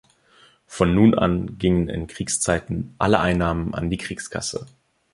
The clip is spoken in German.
Von nun an gingen in Kriegszeiten alle Einnahmen an die Kriegskasse.